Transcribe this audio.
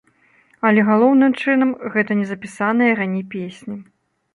Але, галоўным чынам, гэта незапісаныя раней песні.